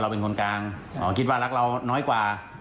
อ๋อเราเป็นคนกลางคิดว่ารักเราน้อยกว่า